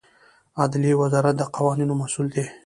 عدلیې وزارت د قوانینو مسوول دی